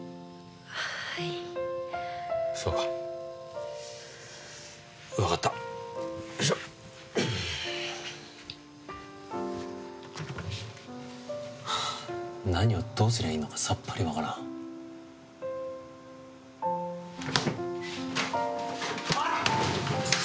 はいそうか分かったよいしょはあ何をどうすりゃいいのかさっぱり分からんあっつ！